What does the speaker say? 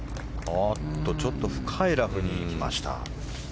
おっとちょっと深いラフに行きました。